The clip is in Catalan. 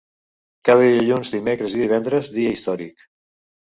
Cada dilluns, dimecres i divendres, dia històric.